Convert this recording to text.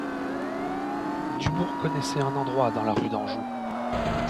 Dubourg connaissait un endroit dans la rue d'Anjou.